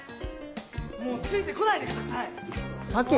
・もうついて来ないでください！・佐木？